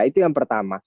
itu yang pertama